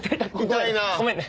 ごめんね。